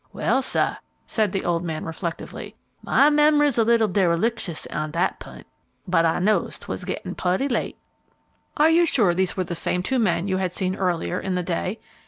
"Well, sah," said the old man, reflectively, "my mem'ry is a little derelictious on dat p'int, but I knows 'twas gettin' putty late." "Are you sure these were the same two men you had seen earlier in the day?"